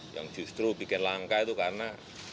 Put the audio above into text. yang justru bikin langka itu karena